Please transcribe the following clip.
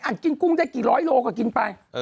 กินกุ้งได้กี่ร้อยโลก็กินไป